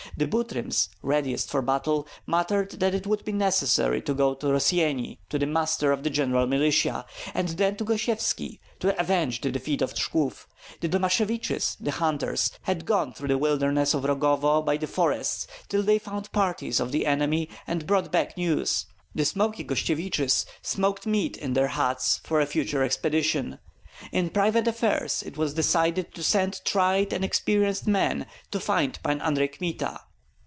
The Butryms, readiest for battle, muttered that it would be necessary to go to Rossyeni to the muster of the general militia, and then to Gosyevski, to avenge the defeat of Shklov; the Domasheviches, the hunters, had gone through the wilderness of Rogovo by the forests till they found parties of the enemy and brought back news; the Smoky Gostsyeviches smoked meat in their huts for a future expedition. In private affairs it was decided to send tried and experienced men to find Pan Andrei Kmita.